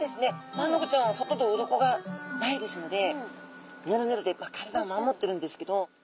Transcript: マアナゴちゃんはほとんどウロコがないですのでヌルヌルで体を守ってるんですけど。